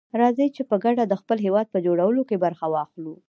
راځي چي په ګډه دخپل هيواد په جوړولو کي برخه واخلو.